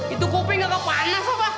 itu kopi nggak kepanas apa